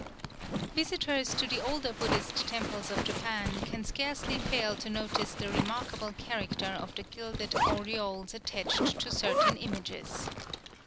'_" Visitors to the older Buddhist temples of Japan can scarcely fail to notice the remarkable character of the gilded aureoles attached to certain images.